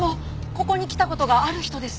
ここに来た事がある人です。